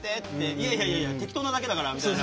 いやいやいや適当なだけだからみたいな。